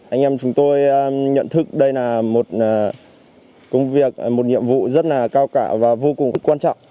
anh em chúng tôi nhận thức đây là một công việc một nhiệm vụ rất là cao cả và vô cùng quan trọng